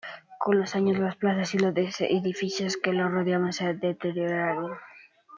Con los años, la plaza y los edificios que la rodean se han deteriorado".